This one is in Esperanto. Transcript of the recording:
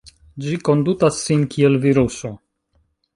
Ĝi kondutas sin kiel viruso.